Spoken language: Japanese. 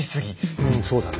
うんそうだね。